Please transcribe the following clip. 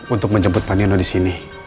untuk menjemput pak nino di sini